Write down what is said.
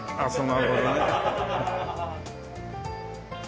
なるほどね。